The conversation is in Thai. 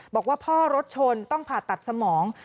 บอกว่าพ่อรถชนต้องผ่าตัดสมอง